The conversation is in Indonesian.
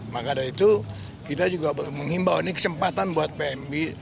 maka dari itu kita juga mengimbau ini kesempatan buat pmi